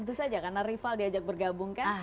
itu saja karena rival diajak bergabung kan